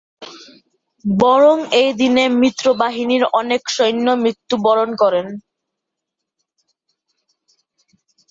বরং এই দিনে মিত্রবাহিনীর অনেক সৈন্য মৃত্যুবরণ করেন।